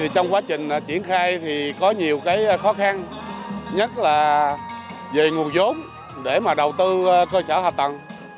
trong quá trình triển khai thì có nhiều khó khăn nhất là về nguồn giống để đầu tư cơ sở hạ tầng